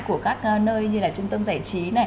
của các nơi như trung tâm giải trí